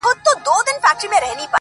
صدقه دي سم تر تكــو تــورو سترگو.